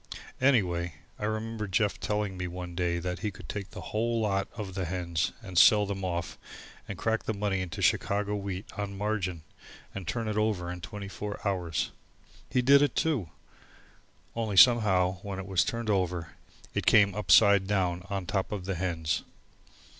Anyway, I remember Jeff telling me one day that he could take the whole lot of the hens and sell them off and crack the money into Chicago wheat on margin and turn it over in twenty four hours. He did it too. Only somehow when it was turned over it came upside down on top of the hens.